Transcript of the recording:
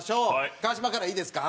川島からいいですか？